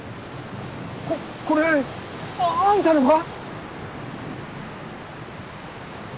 ここれあんたのか？